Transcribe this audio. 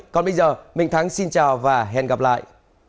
còn bây giờ minh thắng xin chào và hẹn gặp lại